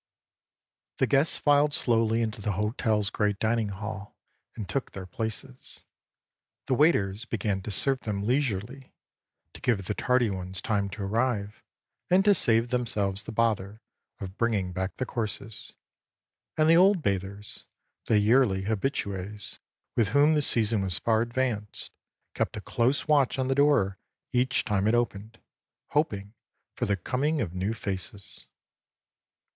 The guests filed slowly into the hotelâs great dining hall and took their places, the waiters began to serve them leisurely, to give the tardy ones time to arrive and to save themselves the bother of bringing back the courses; and the old bathers, the yearly habitues, with whom the season was far advanced, kept a close watch on the door each time it opened, hoping for the coming of new faces.